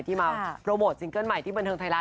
ที่มาโปรโมทซิงเกิ้ลใหม่ที่บันเทิงไทยรัฐ